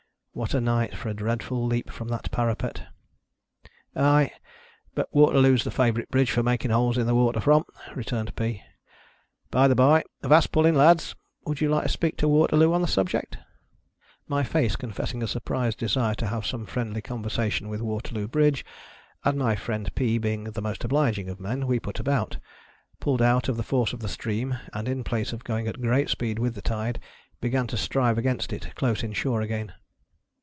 What a night for a dreadful leap from that parapet !"" Aye, but Waterloo's the favourite bridge for making holes in the water from," returned Pea. " By the bye — avast pulling kids !— would you like to speak to Waterloo on the subject 1" My face confessing to a surprised desire to have some friendly conversation with Waterloo Bridge, and my friend Pea being the most obliging of men, we put about, pulled out of the force of the stream, and in place of going at great speed with the tide, began to strive against it, close in shore again.